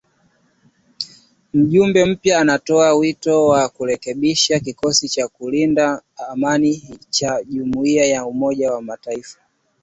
Mjumbe mpya anatoa wito wa kurekebishwa kikosi cha kulinda amani cha jumuia ya Umoja wa Mataifa.